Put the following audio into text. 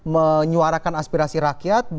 menyuarakan aspirasi rakyat